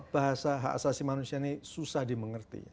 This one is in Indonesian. bahasa hak asasi manusia ini susah dimengerti